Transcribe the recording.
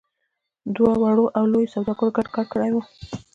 دوی وړو او لويو سوداګرو ګډ کار کړی و.